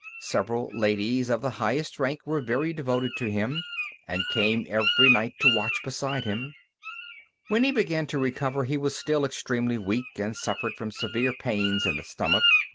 Several ladies of the highest rank were very devoted to him, and came every night to watch beside him. When he began to recover, he was still extremely weak, and suffered from severe pains in the stomach.